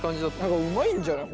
何かうまいんじゃない？